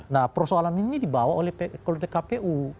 nah persoalan ini dibawa oleh pkpu